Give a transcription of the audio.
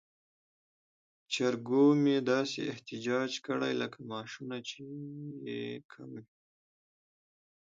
چرګو مې داسې احتجاج کړی لکه معاشونه یې چې کم وي.